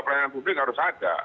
pelayanan publik harus ada